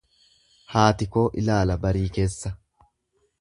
Haati koo ilaala barii keessa.